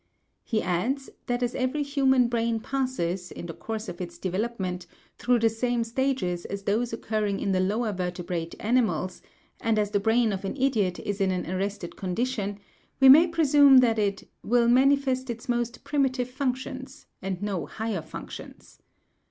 He adds, that as every human brain passes, in the course of its development, through the same stages as those occurring in the lower vertebrate animals, and as the brain of an idiot is in an arrested condition, we may presume that it "will manifest its most primitive functions, and no higher functions."